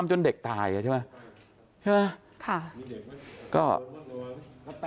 จนเด็กตายใช่ไหมใช่ไหมทำไมค่ะมีเด็กมั้ย